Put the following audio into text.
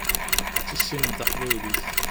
Ad tissinem taqbaylit.